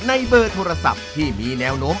ในเบอร์โทรศัพท์ที่มีแนวโน้ม